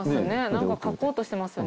なんか書こうとしてますよね。